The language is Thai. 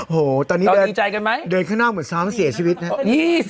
โหตอนนี้เดินข้างหน้าหมดซ้ำเสียชีวิตนะฮะ